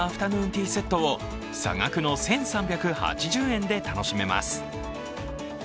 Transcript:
ティーセットを差額の１３８０円で楽しめます。